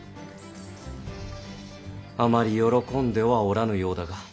あまり喜んではおらぬようだが。